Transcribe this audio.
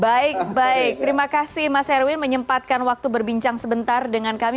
baik baik terima kasih mas erwin menyempatkan waktu berbincang sebentar dengan kami